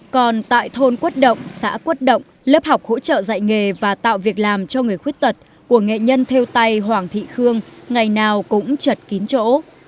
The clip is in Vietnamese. còn tại thôn quất động xã quất động lớp học hỗ trợ dạy nghề và tạo việc làm cho người khuyết tật của nghệ nhân theo tay hoàng thị khương ngày nào cũng chật kín chỗ